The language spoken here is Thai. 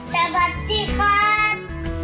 สวัสดีครับ